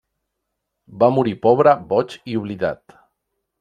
Va morir pobre, boig i oblidat.